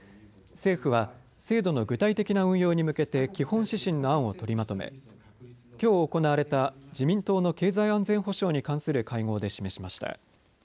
政府は制度の具体的な運用に向けて基本指針の案を取りまとめきょう行われた自民党の経済安全保障に関する会合で示しました。